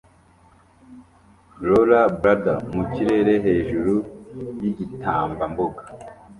Rollerblader mu kirere hejuru yigitambambuga